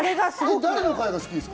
誰の回が好きですか？